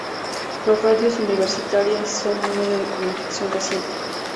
Las radios universitarias son un medio de comunicación reciente.